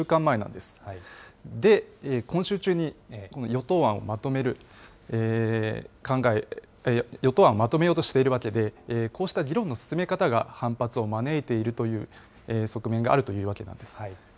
で、今週中にこの与党案をまとめようとしているわけで、こうした議論の進め方が反発を招いているという側面があるというわけなんです。